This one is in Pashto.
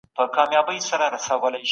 دلته عقل لږ کارول پيل کړ.